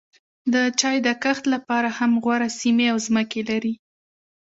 د چای د کښت لپاره هم غوره سیمې او ځمکې لري.